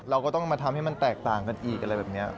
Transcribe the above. เราก็ต้องมาทำให้มันแตกต่างกันอีกอะไรแบบนี้